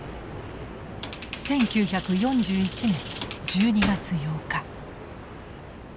１９４１年１２月８日。